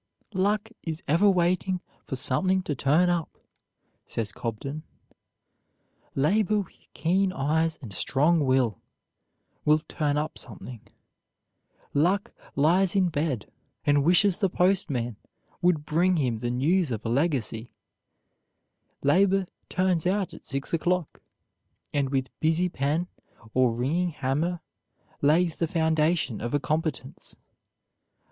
"Luck is ever waiting for something to turn up," says Cobden; "labor, with keen eyes and strong will, will turn up something. Luck lies in bed, and wishes the postman would bring him the news of a legacy; labor turns out at six o'clock, and with busy pen or ringing hammer lays the foundation of a competence.